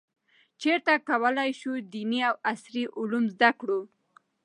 چیرته کولای شو دیني او عصري علوم زده کړو؟